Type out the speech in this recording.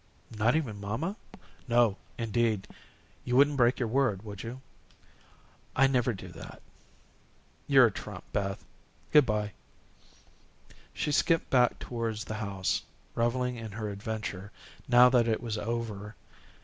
"Not even mamma?" "No, indeed. You wouldn't break your word, would you?" "I never do that." "You're a trump, Beth. Good bye." She skipped back towards the house, revelling in her adventure now that it was over.